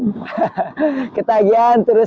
saya jadi pengen main terus